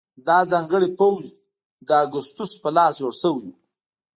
دا ځانګړی پوځ د اګوستوس په لاس جوړ شوی و.